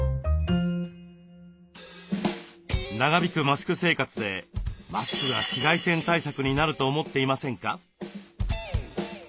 長引くマスク生活でマスクが紫外線対策になると思っていませんか？